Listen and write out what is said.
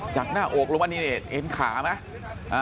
จากหน้าโอกลมอันนี้ไหนเห็นขาไหม